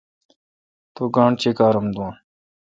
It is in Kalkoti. تو گاݨڈہ چیکارم دوں۔